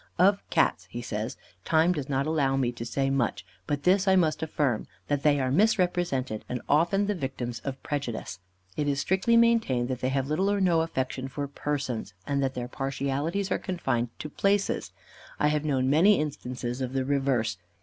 "Of Cats," he says, "time does not allow me to say much, but this I must affirm, that they are misrepresented, and often the victims of prejudice. It is strictly maintained that they have little or no affection for persons, and that their partialities are confined to places. I have known many instances of the reverse.